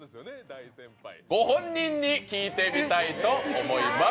ご本人に聞いてみたいと思います。